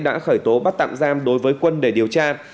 đã khởi tố bắt tạm giam đối với quân để điều tra